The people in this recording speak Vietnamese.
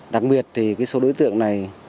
đặc biệt thì số đối tượng này